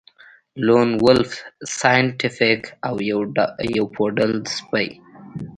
لون وولف سایینټیفیک او یو پوډل سپی